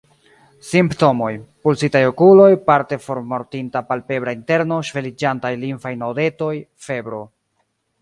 Simptomoj:Pulsitaj okuloj, parte formortinta palpebra interno, ŝveliĝantaj limfaj nodetoj, febro.